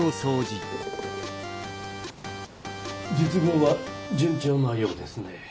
術後は順調のようですね。